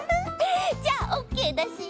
じゃあオッケーだし！